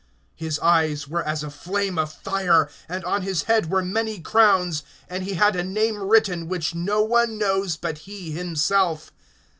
(12)His eyes were as a flame of fire, and on his head were many crowns; and he had a name written, which no one knows but he himself.